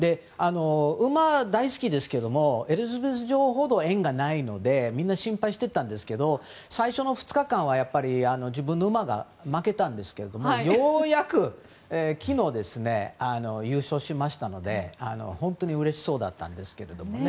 馬が大好きですけどもエリザベス女王ほどは縁がないのでみんな心配してたんですけど最初の２日間は自分の馬が負けたんですけどようやく昨日、優勝しましたので本当にうれしそうだったんですけどね。